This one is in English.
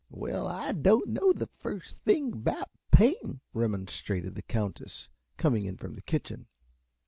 "Well, I don't know the first thing about paintin'," remonstrated the Countess, coming in from the kitchen.